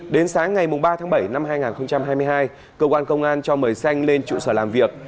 đến sáng ngày ba tháng bảy năm hai nghìn hai mươi hai cơ quan công an cho mời xanh lên trụ sở làm việc